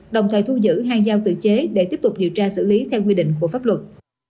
đồng thời thu giữ hai dao tự chế để tiếp tục điều tra xử lý theo quy định của pháp luật